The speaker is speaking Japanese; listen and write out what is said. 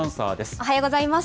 おはようございます。